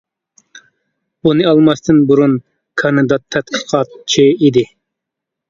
بۇنى ئالماستىن بۇرۇن كاندىدات تەتقىقاتچى ئىدى.